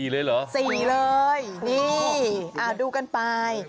เลยเหรอ๔เลยนี่ดูกันไป